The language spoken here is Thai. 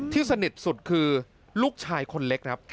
ที่สนิทสุดคือลูกชายคนเล็ก